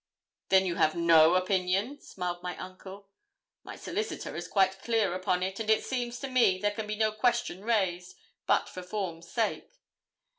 'Then you have no opinion?' smiled my uncle. 'My solicitor is quite clear upon it; and it seems to me there can be no question raised, but for form's sake.'